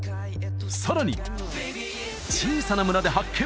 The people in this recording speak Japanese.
さらに小さな村で発見！